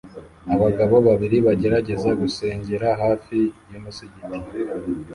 Abagabo babiri bagerageza gusengera hafi yumusigiti